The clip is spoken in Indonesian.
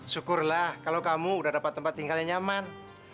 syukurlah kalau kamu udah dapat tempat tinggal yang nyaman